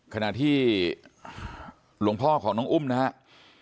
ขณะที่หลวงพ่อของน้องอุ้มนะครับ